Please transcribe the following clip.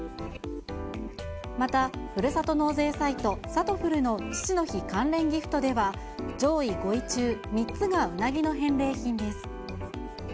また、ふるさと納税サイト、さとふるの父の日関連ギフトでは、上位５位中、３つがうなぎの返礼品です。